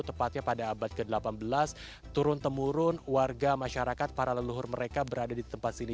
tepatnya pada abad ke delapan belas turun temurun warga masyarakat para leluhur mereka berada di tempat sini